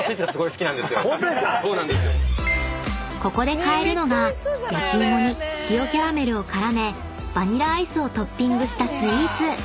［ここで買えるのが焼き芋に塩キャラメルを絡めバニラアイスをトッピングしたスイーツ］